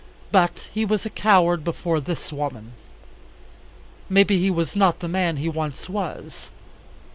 But he was a coward before this woman. May be he was not the man he once was.